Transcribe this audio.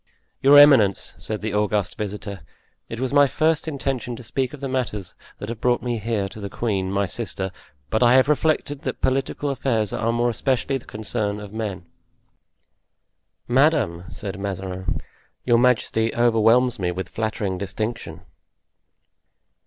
"Your eminence," said the august visitor, "it was my first intention to speak of the matters that have brought me here to the queen, my sister, but I have reflected that political affairs are more especially the concern of men." "Madame," said Mazarin, "your majesty overwhelms me with flattering distinction."